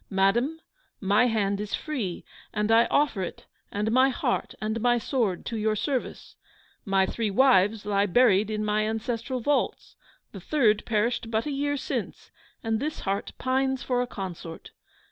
Madam, my hand is free, and I offer it, and my heart and my sword to your service! My three wives lie buried in my ancestral vaults. The third perished but a year since; and this heart pines for a consort!